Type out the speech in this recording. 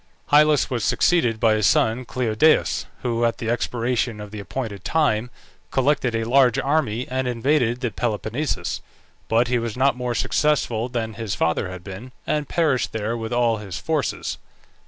Hyllus was succeeded by his son Cleodaeus, who, at the expiration of the appointed time, collected a large army and invaded the Peloponnesus; but he was not more successful than his father had been, and perished there with all his forces.